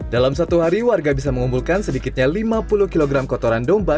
dalam satu hari warga bisa mengumpulkan sedikitnya lima puluh kg kotoran domba